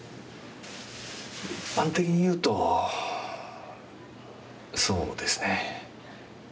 一般的に言うとそうですね。